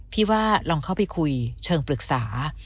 พี่ว่าลองเข้าไปคุยเชิงปรึกษา